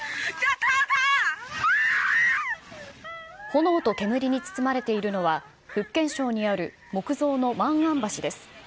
炎と煙に包まれているのは、福建省にある木造の万安橋です。